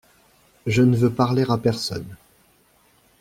Je ne veux parler à personne.